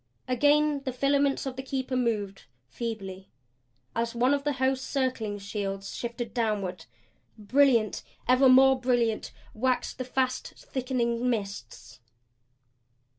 Again the filaments of the Keeper moved feebly. As one of the hosts of circling shields shifted downward. Brilliant, ever more brilliant, waxed the fast thickening mists.